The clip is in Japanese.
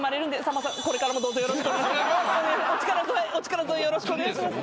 僕はお力添えよろしくお願いします